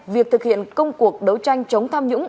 việc thực hiện công cuộc đấu tranh chống tham nhũng